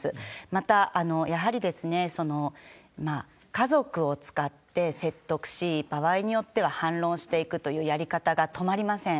また、やはり家族を使って説得し、場合によっては反論していくというやり方が止まりません。